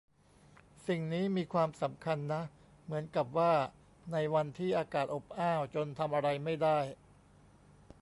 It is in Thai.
สิ่งนี้มีความสำคัญนะ เหมือนกับว่าในวันที่อากาศอบอ้าวจนทำอะไรไม่ได้